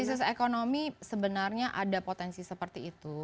krisis ekonomi sebenarnya ada potensi seperti itu